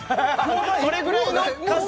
それぐらいの感触